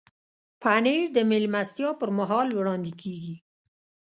پنېر د میلمستیا پر مهال وړاندې کېږي.